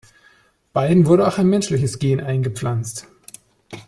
Beiden wurde auch ein menschliches Gen eingepflanzt.